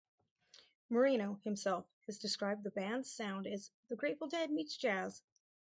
Marino himself has described the band's sound as "The Grateful Dead meets jazz".